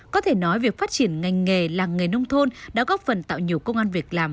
có thể nói việc phát triển ngành nghề làng nghề nông thôn đã góp phần tạo nhiều công an việc làm